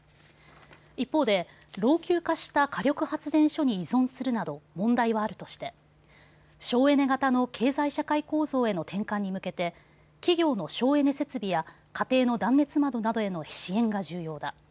一方で老朽化した火力発電所に依存するなど問題はあるとして省エネ型の経済社会構造への転換に向けて企業の省エネ設備や家庭の断熱窓などへの支援が重要だ。